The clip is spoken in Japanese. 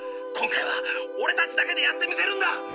今回はオレたちだけでやってみせるんだ。